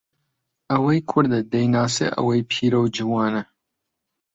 ئەوەی کوردە دەیناسێ ئەوەی پیرەو جەوانە